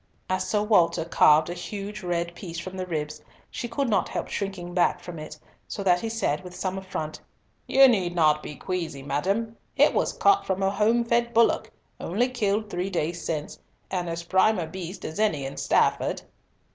As Sir Walter carved a huge red piece from the ribs, she could not help shrinking back from it, so that he said with some affront, "You need not be queasy, madam, it was cut from a home fed bullock, only killed three days since, and as prime a beast as any in Stafford."